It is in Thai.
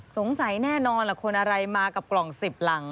แน่นอนล่ะคนอะไรมากับกล่อง๑๐หลัง